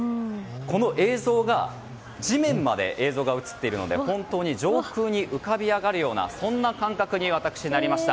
この映像が地面まで映像が映っているので本当に上空に浮かび上がるような感覚に私、なりました。